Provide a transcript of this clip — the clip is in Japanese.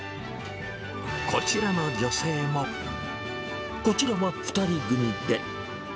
こちらの女性も、こちらは２人組で。